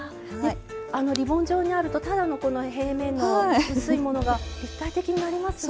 あのリボン状にあるとただのこの平面の薄いものが立体的になりますね。